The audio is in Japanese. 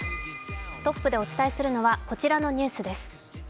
トップでお伝えするのはこちらのニュースです。